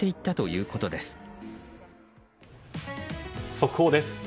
速報です。